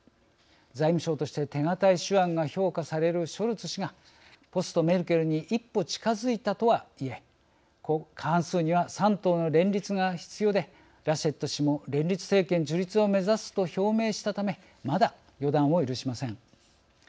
財務相として手堅い手腕が評価されるショルツ氏がポスト・メルケルに一歩近づいたとはいえ過半数には３党の連立が必要でラシェット氏も連立政権樹立を目指すと表明したためまだ予断を許しません。